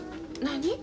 何？